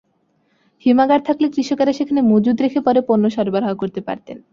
হিমাগার থাকলে কৃষকেরা সেখানে মজুদ রেখে পরে পণ্য সরবরাহ করতে পারতেন।